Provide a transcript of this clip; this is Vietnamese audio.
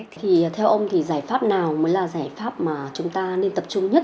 thì theo ông thì giải pháp nào mới là giải pháp mà chúng ta nên tập trung nhất